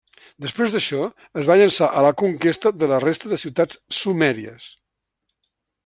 Després d'això es va llançar a la conquesta de la resta de ciutats sumèries.